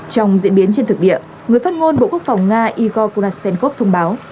trong diễn biến trên thực địa người phát ngôn bộ quốc phòng nga igor kunashenkov thông báo